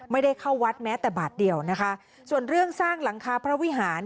ไม่ได้เข้าวัดแม้แต่บาทเดียวนะคะส่วนเรื่องสร้างหลังคาพระวิหาร